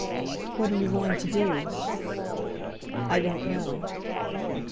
"What are you going to do?" "I don't know."